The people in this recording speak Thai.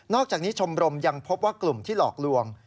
อกจากนี้ชมรมยังพบว่ากลุ่มที่หลอกลวง